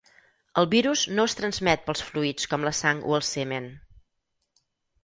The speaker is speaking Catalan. El virus no es transmet pels fluids com la sang o el semen.